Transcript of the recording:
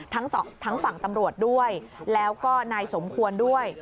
ทั้งฝั่งตำรวจด้วยแล้วก็นายสมควรด้วย